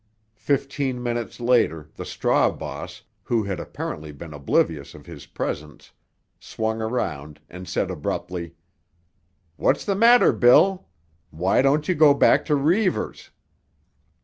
Fifteen minutes later the straw boss, who had apparently been oblivious of his presence, swung around and said abruptly: "What's the matter, Bill? Why don't you go back to Reivers?"